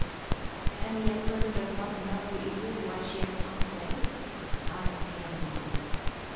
"And the Emperor does not know, either, why she has gone away?" asked the young woman.